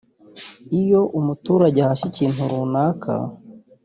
iyo umuturage ahashye ikintu runaka